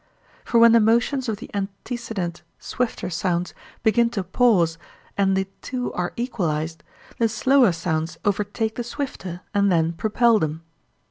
For when the motions of the antecedent swifter sounds begin to pause and the two are equalized, the slower sounds overtake the swifter and then propel them.